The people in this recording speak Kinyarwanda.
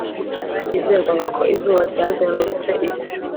byizerwaga ko izuba ryazengurutse isi